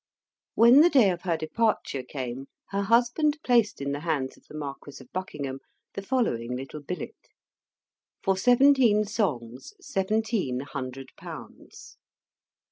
When the day of her departure came, her husband placed in the hands of the Marquis of Buckingham the following little billet: "For seventeen songs, seventeen hundred pounds."